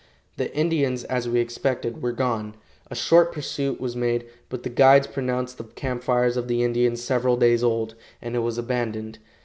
The Indians, as we expected, were gone. A short pursuit was made, but the guides pronounced the camp fires of the Indians several days old, and it was abandoned.